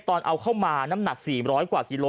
ตอนเอาเข้ามาน้ำหนัก๔๐๐กว่ากิโล